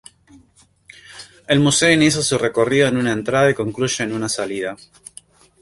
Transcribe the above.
El museo inicia su recorrido en una entrada y concluye en una salida.